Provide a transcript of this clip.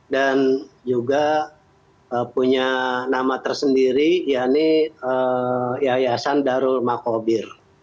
dan juga punya nama tersendiri yaitu yayasan darul makobir